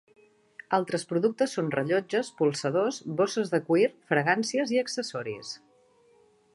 Altres productes són rellotges, polsadors, bosses de cuir, fragàncies i accessoris.